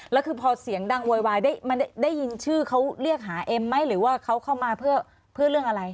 แล้วคือพอเสียงดังโวยวายได้ยินชื่อเขาเรียกหาเอ็มไหมหรือว่าเขาเข้ามาเพื่อเรื่องอะไร